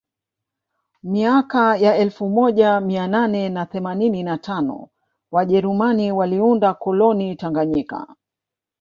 Miaka ya elfu moja mia nane na themanini na tano wajerumani waliunda koloni Tanganyika